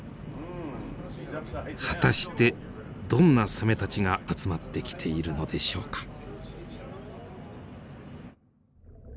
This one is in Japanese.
果たしてどんなサメたちが集まってきているのでしょうか。